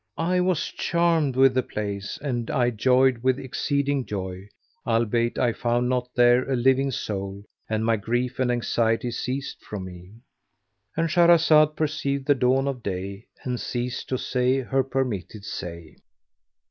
I was charmed with the place and I joyed with exceeding joy, albeit I found not there a living soul and my grief and anxiety ceased from me.—And Shahrazad perceived the dawn of day, and ceased to say her permitted say.